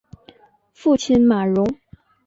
父亲马荣。